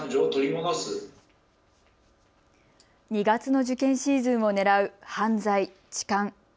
２月の受験シーズンをねらう犯罪、痴漢。